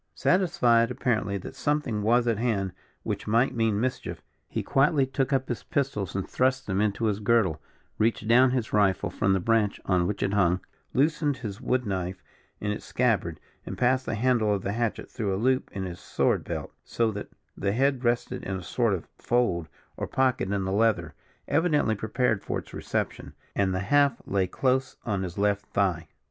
Satisfied apparently that something was at hand which might mean mischief, he quietly took up his pistols and thrust them into his girdle, reached down his rifle from the branch on which it hung, loosened his wood knife in its scabbard, and passed the handle of the hatchet through a loop in his sword belt, so that the head rested in a sort of fold or pocket in the leather, evidently prepared for its reception, and the haft lay close on his left thigh.